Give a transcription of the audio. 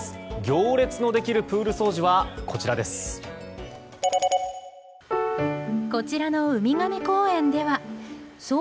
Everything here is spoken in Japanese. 行列のできるプール掃除はこちらです。